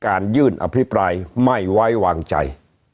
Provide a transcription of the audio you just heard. การยื่นอภิปรายไม่ไว้วางใจ